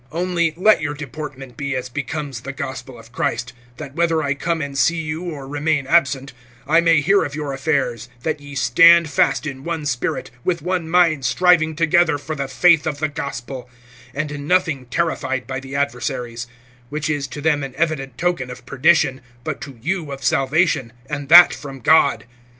(27)Only let your deportment be as becomes the gospel of Christ; that whether I come and see you, or remain absent, I may hear of your affairs, that ye stand fast in one spirit, with one mind striving together for the faith of the gospel; (28)and in nothing terrified by the adversaries; which is to them an evident token of perdition, but to you of salvation[1:28], and that from God.